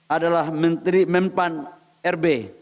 adalah menteri mempan rb